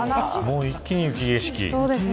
一気に雪景色。